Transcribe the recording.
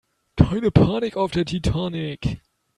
Keine Panik auf der Titanic